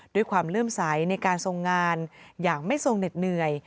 ด้วยความเริ่มสายในการทรงงานยังไม่ทรงเหน็ดเหนื่อย